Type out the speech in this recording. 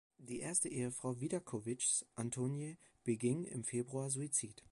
Die erste Ehefrau Widakowich’s, Antonie, beging im Februar Suizid.